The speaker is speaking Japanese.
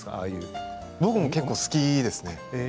僕も結構好きですね。